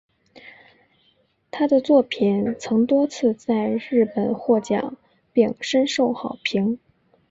她的作品曾多次在日本获奖并深受好评。